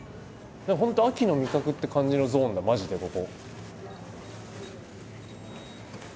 本当秋の味覚って感じのゾーンだマジでここ。